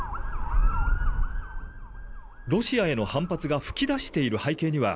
ロシアへの反発が噴き出している背景には、